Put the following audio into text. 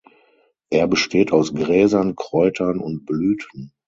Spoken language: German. Er besteht aus Gräsern, Kräutern und Blüten.